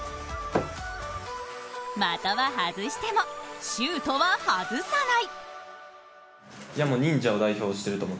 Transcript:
的は外してもシュートは外さない！